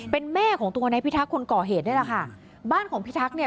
เป็นแม่ของตัวนายพิทักษ์คนก่อเหตุนี่แหละค่ะบ้านของพิทักษ์เนี่ย